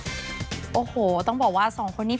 อายุไม่เป็นอุปสรรคสำหรับการทำงานเลยนะ